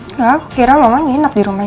enggak aku kira mamanya hinap di rumahnya